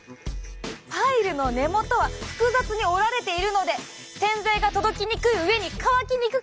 パイルの根元は複雑に織られているので洗剤が届きにくい上に乾きにくくもあるんです。